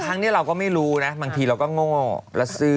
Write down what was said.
ครั้งนี้เราก็ไม่รู้นะบางทีเราก็โง่แล้วซื้อ